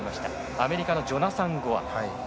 アメリカのジョナサン・ゴア。